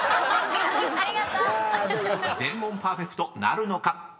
［全問パーフェクトなるのか？